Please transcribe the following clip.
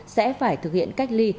sẽ phải thực hiện cách ly khi đến ga huế